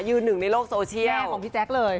หนึ่งในโลกโซเชียลของพี่แจ๊คเลย